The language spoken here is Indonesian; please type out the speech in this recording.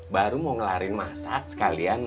baru mau ngelarin masak sekalian